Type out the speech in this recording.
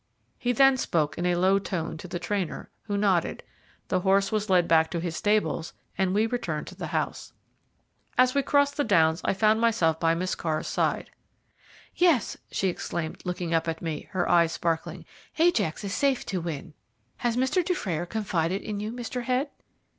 He then spoke in a low tone to the trainer, who nodded; the horse was led back to his stables, and we returned to the house. As we crossed the Downs, I found myself by Miss Carr's side. "Yes," she exclaimed, looking up at me, her eyes sparkling, "Ajax is safe to win. Has Mr. Dufrayer confided in you, Mr. Head?"